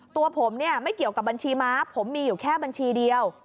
ตัวผมเนี่ยไม่เกี่ยวกับบัญชีม้าผมมีอยู่แค่บัญชีเดียว